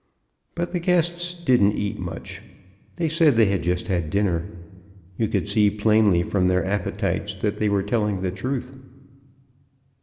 But the guests didn't eat much. They said they had just had dinner. You could see plainly from their appetites that they were telling the truth.